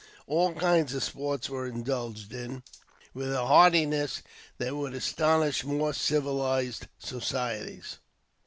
All kinds of sports were indulged in with a heartiness that would astonish more civilized societies.